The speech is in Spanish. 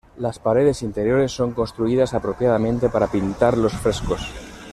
Las paredes interiores son construidas apropiadamente para pintar los frescos.